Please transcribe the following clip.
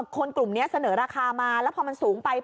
คนกลุ่มนี้เสนอราคามาแล้วพอมันสูงไป